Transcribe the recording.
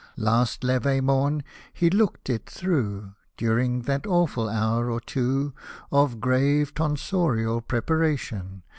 Last levee morn he looked it through, During that awful hour or two Of grave tonsorial preparation.